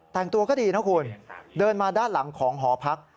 แต่งตัวก็ดีนะคุณเดินมาด้านหลังของหอพัก